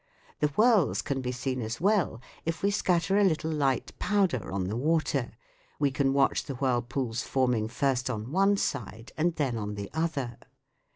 The whirls can be seen as well if we scatter a little light powder on the water ; we can watch the whirlpools form ing first on one side and then on the other.